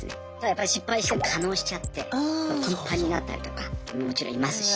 やっぱり失敗して化のうしちゃってパンパンになったりとかもちろんいますし。